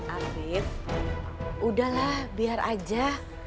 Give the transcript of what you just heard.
afif udahlah biar aja